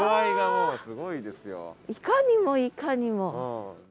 いかにもいかにも。